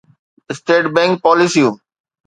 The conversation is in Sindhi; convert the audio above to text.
اسٽيٽ بئنڪ پاليسيون